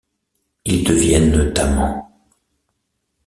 Ils deviennent amants.